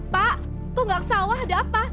pak kok gak ke sawah ada apa